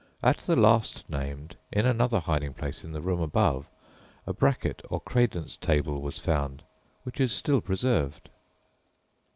At the last named, in another hiding place in the room above, a bracket or credence table was found, which is still preserved.